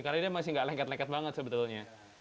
karena dia masih enggak lengket lengket banget sebetulnya